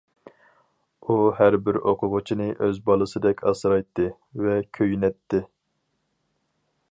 ئۇ ھەر بىر ئوقۇغۇچىنى ئۆز بالىسىدەك ئاسرايتتى ۋە كۆيۈنەتتى.